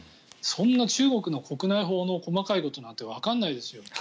そんな中国の国内法の細かいことなんてわからないですよ。